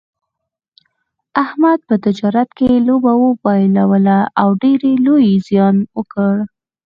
احمد په تجارت کې لوبه بایلوله او ډېر لوی زیان یې وکړ.